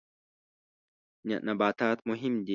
نباتات مهم دي.